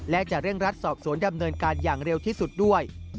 และจะเร่งรัดสอบสวนดำเนินการอย่างเร็วที่สุดด้วย